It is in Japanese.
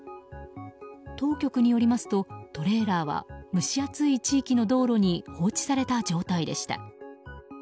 当局によりますとトレーラーは蒸し暑い地域の道路に放置された状態でした。